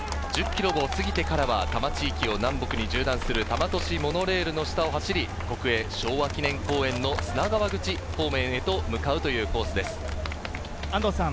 １０ｋｍを過ぎてからは多摩地域を南北に縦断する多摩都市モノレールの下を走り、国営昭和記念公園の砂川口方面へと迎えるというコースです。